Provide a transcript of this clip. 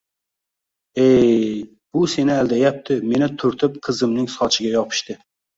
E-ey bu seni aldayapti meni turtib qizimning sochiga yopishdi